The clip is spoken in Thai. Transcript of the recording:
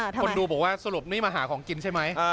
โหวะสรุปนี่มาหาของกินใช่ไหม